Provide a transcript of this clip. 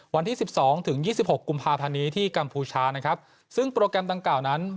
วันที่๑๒ถึง๒๖กุมภาพันธ์นี้ที่กัมพูชานะครับซึ่งโปรแกรมต่างกล่าวนั้น